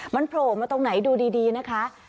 มันโผล่มาตรงไหนดูดีนะคะ